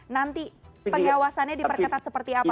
nanti pengawasannya diperkatan seperti apa pak